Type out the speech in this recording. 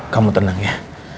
kamu tenang ya